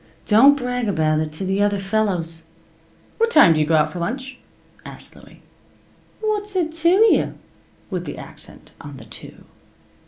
Don't brag about it to the other fellows." "What time do you go out for lunch?" asked Louie. "What's it to you?" with the accent on the "to."